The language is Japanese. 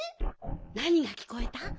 なにがきこえた？